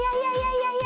いやいや。